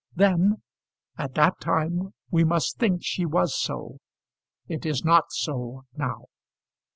Then, at that time, we must think she was so. It is not so now."